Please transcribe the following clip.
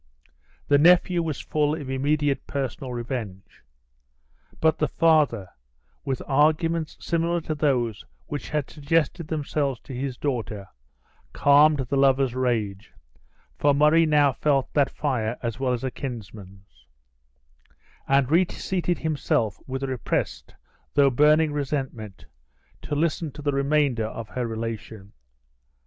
The nephew was full of immediate personal revenge. But the father, with arguments similar to those which had suggested themselves to his daughter, calmed the lover's rage, for Murray now felt that fire as well as a kinsman's; and reseated himself with repressed, though burning resentment, to listen to the remainder of her relation.